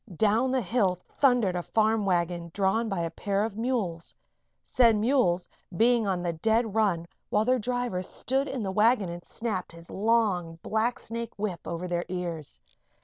Down the hill thundered a farm wagon drawn by a pair of mules, said mules being on the dead run while their driver stood in the wagon and snapped his long, blacksnake whip over their ears.